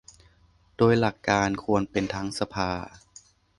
โดยหลักการควรเป็นทั้งสภา